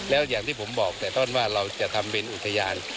แล้วอย่างที่ผมบอกแต่ต้นว่าเราจะทำเป็นอุทยาน